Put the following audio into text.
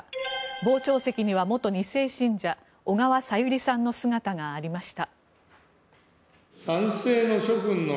傍聴席には元２世信者小川さゆりさんの姿がありました。